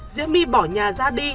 diễm my bỏ nhà ra đi